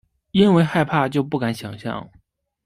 因为害怕就不敢想像